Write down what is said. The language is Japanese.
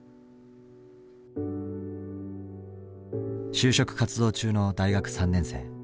就職活動中の大学３年生。